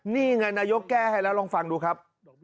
นี่ไงนายกแก้ให้แล้วลองฟังดูครับ